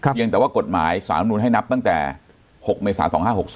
เพียงแต่ว่ากฎหมายสารมนุนให้นับตั้งแต่๖เมษา๒๕๖๒